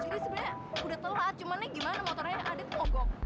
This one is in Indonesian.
jadi sebenarnya udah telat cuman nih gimana motornya adit mogok